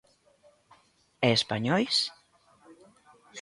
E españois?